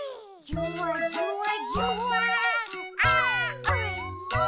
「じゅわじゅわじゅわーんあーおいしい！」